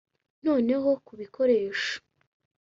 noneho kubikoresho.